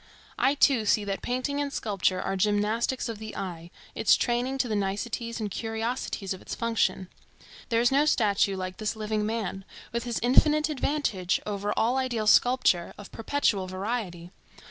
I too see that painting and sculpture are gymnastics of the eye, its training to the niceties and curiosities of its function. There is no statue like this living man, with his infinite advantage over all ideal sculpture, of perpetual variety.